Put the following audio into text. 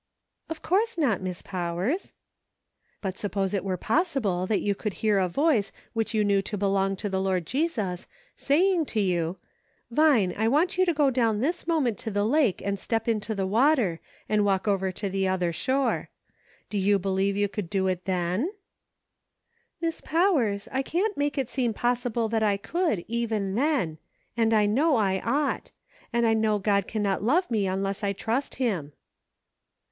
" Of course not, Miss Powers." " But suppose it were possible that you could hear a voice which you knew to belong to the Lord Jesus, saying to you, 'Vine, I want you to go down this moment to the lake and step into the water, and walk over to the other shore,' do you believe you could do it then ,''" "Miss Powers, I can't make it seem possible that I could, even then ; and I know I ought ; and I know God can not love me unless I trust him."